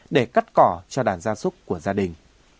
để cắt cỏ cho đàn gia súc của gia đình